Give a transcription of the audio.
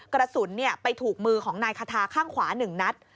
กระสุนไปถูกมือของนายคาทาข้างขวา๑นัด